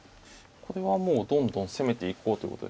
これはもうどんどん攻めていこうということでしょうね。